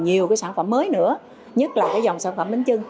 nhiều sản phẩm mới nữa nhất là dòng sản phẩm bến chưng